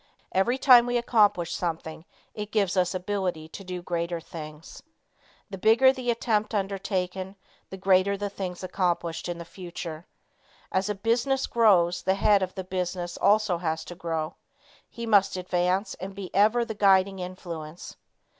Every time we accomplish something it gives us ability to do greater things. The bigger the attempt undertaken, the greater the things accomplished in the future. As a business grows, the head of the business also has to grow. He must advance and be ever the guiding influence.